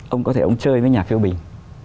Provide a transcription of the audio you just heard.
ông có thể ông chơi với nhà phiêu bình